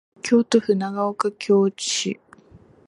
京都府長岡京市